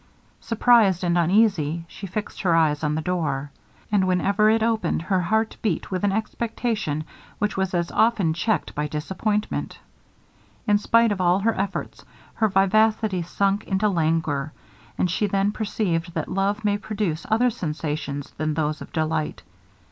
Surprised and uneasy, she fixed her eyes on the door, and whenever it opened, her heart beat with an expectation which was as often checked by disappointment. In spite of all her efforts, her vivacity sunk into languor, and she then perceived that love may produce other sensations than those of delight.